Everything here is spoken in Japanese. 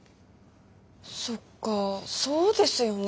そっかそうですよね。